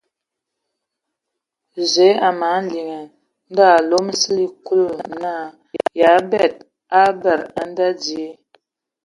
Zǝə a mana hm liŋan. Ndo a alom sili Kulu naa yǝ a mbǝ fad abel a dzal die.